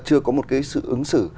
chưa có một cái sự ứng xử